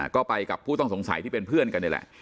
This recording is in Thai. ก็ไปกับผู้ต้องสงสัยที่เป็นเพื่อนกันนี่แหละ